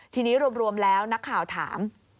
ทีนี้รวมแล้วนักข่าวถาม